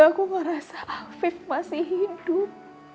aku ngerasa afif masih hidup